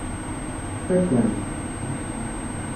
Tfakk-am-t.